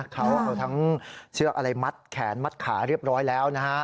เขาเอาทั้งเชือกอะไรมัดแขนมัดขาเรียบร้อยแล้วนะฮะ